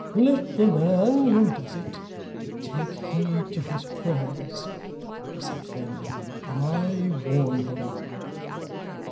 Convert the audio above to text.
'Let the man who does it, take heed to his prayers,' he said firmly; 'I warn him.